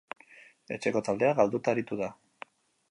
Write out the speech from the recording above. Etxeko taldea galduta aritu da.